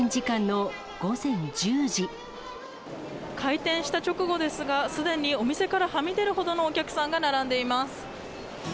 開店した直後ですが、すでにお店からはみ出るほどのお客さんが並んでいます。